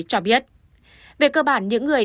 cho biết về cơ bản những người